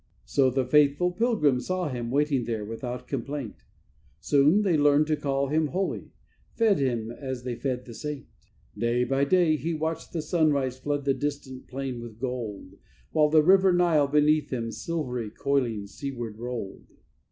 So the faithful pilgrims saw him waiting there without complaint, Soon they learned to call him holy, fed him as they fed the saint. Day by day he watched the sunrise flood the distant plain with gold, While the River Nile beneath him, silvery coiling, sea ward rolled.